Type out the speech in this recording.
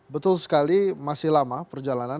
betul sekali masih lama perjalanan